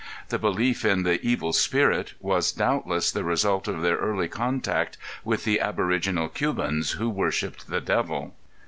The belief in the Evil Spirit was doubtless the result of their early contact with the aboriginal Cubans, who worshipped the devil.